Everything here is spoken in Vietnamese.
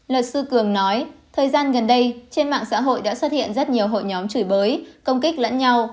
luật sư cường nói thời gian gần đây trên mạng xã hội đã xuất hiện rất nhiều hội nhóm chửi bới công kích lẫn nhau